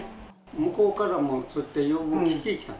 向こうからもそうやって要望を聞いてきた。